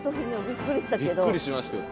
びっくりしましたよ。